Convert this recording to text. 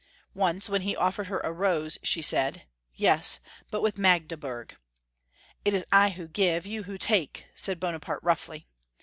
Once, when he offered her a rose, she said, "Yes, but with Magdeburg." " It is I who give, you who take," said Bonaparte roughly.